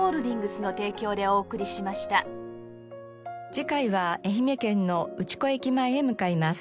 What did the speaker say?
次回は愛媛県の内子駅前へ向かいます。